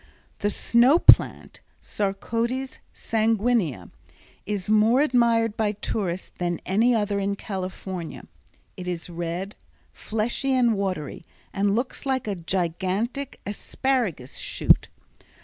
The snow plant (Sarcodes sanguinea) is more admired by tourists than any other in California. It is red, fleshy and watery and looks like a gigantic asparagus shoot.